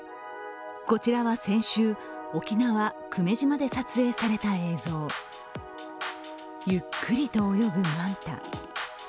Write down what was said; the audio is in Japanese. こちらは先週、沖縄・久米島で撮影された映像。ゆっくりと泳ぐマンタ。